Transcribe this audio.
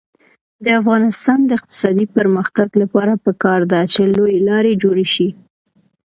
د افغانستان د اقتصادي پرمختګ لپاره پکار ده چې لویې لارې جوړې شي.